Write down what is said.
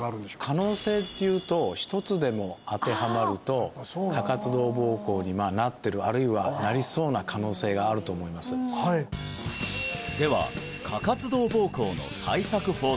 可能性っていうと一つでも当てはまると過活動膀胱になってるあるいはなりそうな可能性があると思いますでは１つはですね